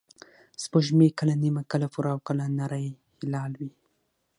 سپوږمۍ کله نیمه، کله پوره، او کله نری هلال وي